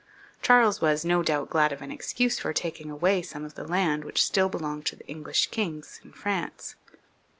Charles was, no doubt, glad of an excuse for taking away some of the land which still belonged to the English kings in France.